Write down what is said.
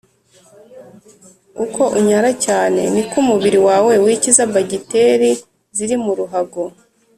uko unyara cyane niko umubiri wawe wikiza bagiteri ziri mu ruhago